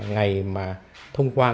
ngày mà thông qua